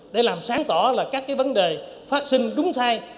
để làm sáng tỏ các vấn đề phát sinh đúng sai